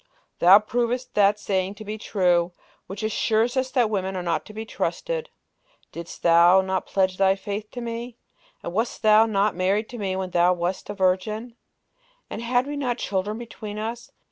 thou provest that saying to be true, which assures us that women are not to be trusted. Didst not thou pledge thy faith to me? and wast not thou married to me when thou wast a virgin? and had we not children between us?